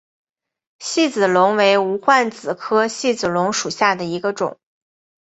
细子龙为无患子科细子龙属下的一个种。